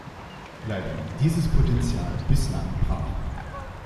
Leider liegt dieses Potenzial bislang brach.